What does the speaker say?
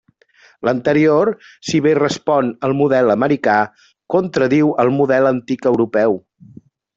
L'anterior, si bé respon al model americà, contradiu el model antic europeu.